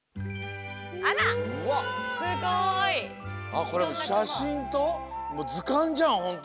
あっこれしゃしんともうずかんじゃんほんとに。